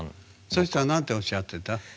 そしたら何ておっしゃってた？